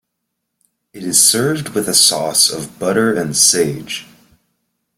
It is served with a sauce of butter and sage.